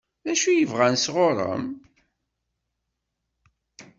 D acu i bɣan sɣur-m?